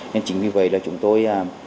nên chính vì vậy là chúng tôi